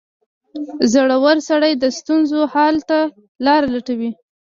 • زړور سړی د ستونزو حل ته لاره لټوي.